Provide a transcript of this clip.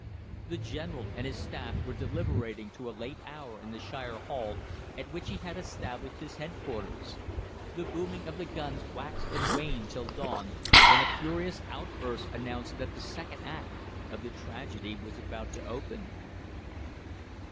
The General and his staff were deliberating to a late hour in the Shire Hall, at which he had established his headquarters. The booming of the guns waxed and waned till dawn, when a furious outburst announced that the second act of the tragedy was about to open.